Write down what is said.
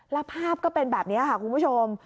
แล้วภาพก็เป็นแบบนี้ค่ะคุณผู้ชม